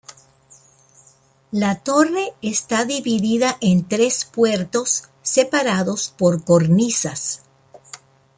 La torre está dividida en tres puertos separados por cornisas.